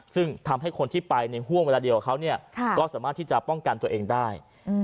ซึ่งทำให้คนที่ไปในห่วงเวลาเดียวกับเขาก็สามารถที่จะป้องกันตัวเองได้